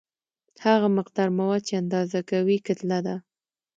هغه مقدار مواد چې اندازه کوي کتله ده.